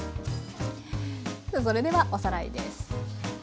それではおさらいです。